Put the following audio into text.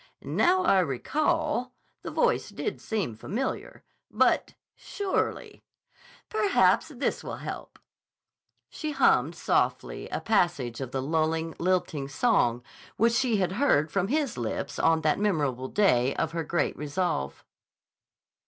"Now I recall, the voice did seem familiar. But—surely—" "Perhaps this will help." She hummed softly a passage of the lulling, lilting song which she had heard from his lips on that memorable day of her great resolve.